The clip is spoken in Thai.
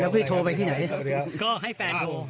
พี่โทรไปที่ไหนก็ให้แฟนโทร